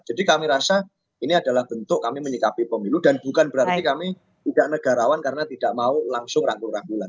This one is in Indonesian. jadi kami rasa ini adalah bentuk kami menikapi pemilu dan bukan berarti kami tidak negarawan karena tidak mau langsung rangkul rangkulan